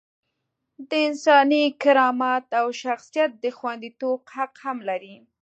د انساني کرامت او شخصیت د خونديتوب حق هم لري.